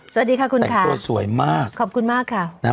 สวัสดีค่ะคุณค่ะตัวสวยมากขอบคุณมากค่ะนะครับ